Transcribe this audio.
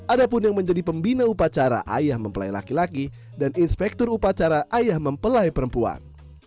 ada pun yang menjadi pembina upacara ayah mempelai laki laki dan inspektur upacara ayah mempelai perempuan